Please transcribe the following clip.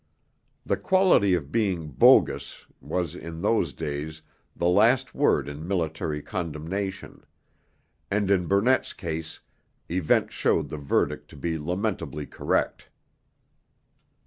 The quality of being 'bogus' was in those days the last word in military condemnation; and in Burnett's case events showed the verdict to be lamentably correct.